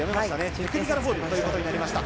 テクニカルフォールということになりました。